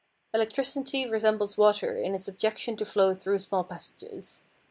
Electricity resembles water in its objection to flow through small passages.